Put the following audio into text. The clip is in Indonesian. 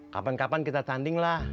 kapan kapan kita tanding lah